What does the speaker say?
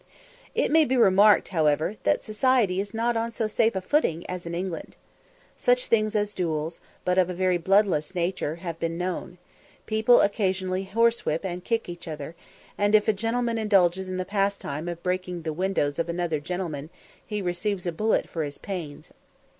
It may be remarked, however, that society is not on so safe a footing as in England. Such things as duels, but of a very bloodless nature, have been known: people occasionally horsewhip and kick each other; and if a gentleman indulges in the pastime of breaking the windows of another gentleman, he receives a bullet for his pains.